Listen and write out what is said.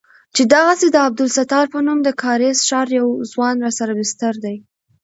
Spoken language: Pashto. چې دغسې د عبدالستار په نوم د کارېز ښار يو ځوان راسره بستر دى.